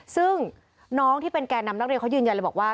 ซึ่งน้องที่เป็นแก่นำนักเรียนเขายืนยันเลยบอกว่า